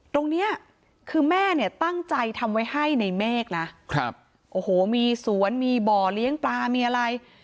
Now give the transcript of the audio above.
ตรงนี้คือแม่เนี่ยตั้งใจทำไว้ให้ในเมฆนะครับโอ้โหมีสวนมีบ่อเลี้ยงปลามีอะไร